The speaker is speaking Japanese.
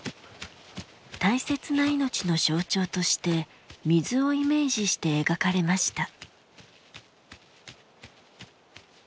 大切な命の象徴として水をイメージして描かれました。